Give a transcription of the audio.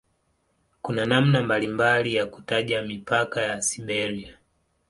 Kuna namna mbalimbali ya kutaja mipaka ya "Siberia".